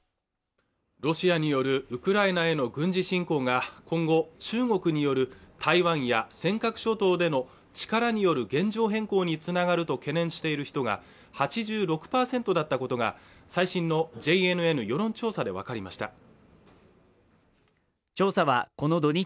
ロシアによるウクライナへの軍事侵攻が今後中国による台湾や尖閣諸島での力による現状変更につながると懸念している人が８６％だったことが最新のＪＮＮ世論調査でわかりました